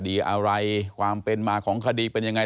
คดีอะไรความเป็นมาของคดีเป็นอย่างไร